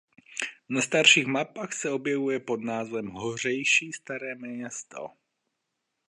Na starších mapách se objevuje pod názvem Hořejší Staré Město.